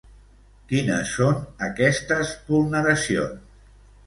Quines són aquestes vulneracions?